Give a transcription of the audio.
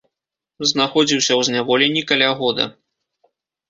Знаходзіўся ў зняволенні каля года.